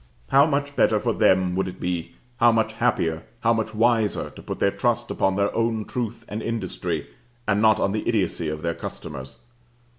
How much better for them would it be how much happier, how much wiser, to put their trust upon their own truth and industry, and not on the idiocy of their customers.